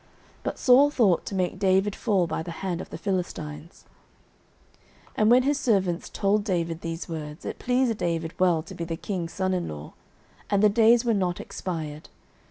But Saul thought to make David fall by the hand of the Philistines. 09:018:026 And when his servants told David these words, it pleased David well to be the king's son in law: and the days were not expired.